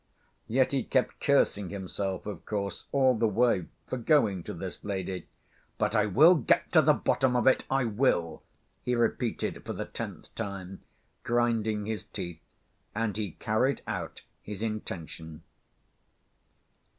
Yet he kept cursing himself, of course, all the way for going to this lady, but "I will get to the bottom of it, I will!" he repeated for the tenth time, grinding his teeth, and he carried out his intention.